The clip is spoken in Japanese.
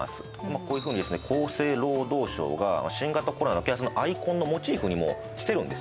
こういうふうにですね厚生労働省が新型コロナ啓発のアイコンのモチーフにもしてるんですね